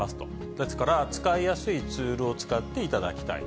ですから使いやすいツールを使っていただきたい。